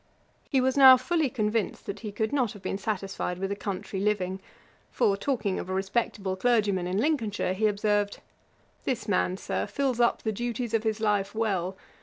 He was now fully convinced that he could not have been satisfied with a country living; for, talking of a respectable clergyman in Lincolnshire, he observed, 'This man, Sir, fills up the duties of his life well.